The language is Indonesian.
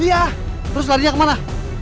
iya terus larinya ke mana